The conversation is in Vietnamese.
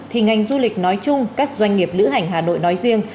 thì ngành du lịch nói chung các doanh nghiệp lữ hành hà nội nói riêng